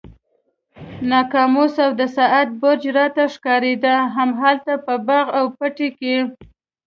ناقوس او د ساعت برج راته ښکارېده، همالته په باغ او پټي کې.